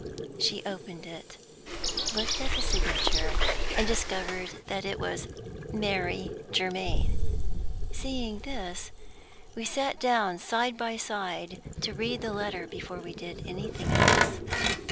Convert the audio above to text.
She opened it, looked at the signature, and discovered that it was "Mary Germaine." Seeing this, we sat down side by side to read the letter before we did anything else.